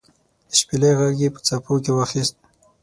د شپیلۍ ږغ یې په څپو کې واخیست